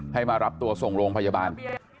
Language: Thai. ให้มารับตัวส่งโรงพยาบาล